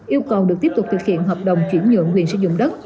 yêu cầu được tiếp tục thực hiện hợp đồng chuyển nhượng quyền sử dụng đất